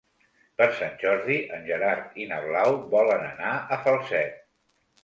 Per Sant Jordi en Gerard i na Blau volen anar a Falset.